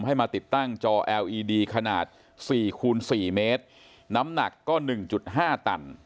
ให้มาติดตั้งจอแอลอีดีขนาดสี่คูณสี่เมตรน้ำหนักก็หนึ่งจุดห้าตัน